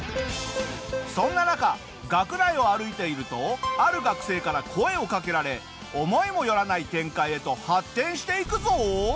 そんな中学内を歩いているとある学生から声をかけられ思いもよらない展開へと発展していくぞ！